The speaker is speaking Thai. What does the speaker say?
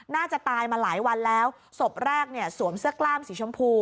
น่าจะตายมาหลายวันแล้วศพแรกเนี่ยสวมเสื้อกล้ามสีชมพู